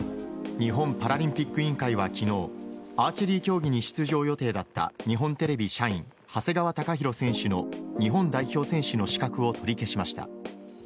日本パラリンピック委員会は昨日アーチェリー競技に出場予定だった日本テレビ社員長谷川貴大選手の日本代表選手の資格を取り消しました。